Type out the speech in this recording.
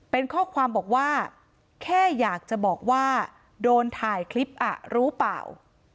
เป็นข้อความบอกว่าแค่อยากจะบอกว่าโดนถ่ายคลิปรู้เปล่า